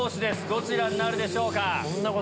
どちらになるでしょうか？